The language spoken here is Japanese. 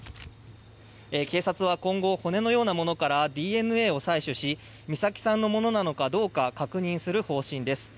警察は今後、骨のようなものからＤＮＡを採取し美咲さんのものなのかどうか確認する方針です。